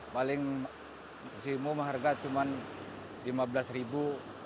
paling si mum harga cuman lima belas ribu